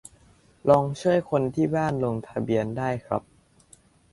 ลองช่วยคนที่บ้านลงทะเบียนได้ครับ